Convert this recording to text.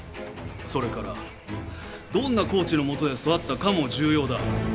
それからどんなコーチのもとで育ったかも重要だ。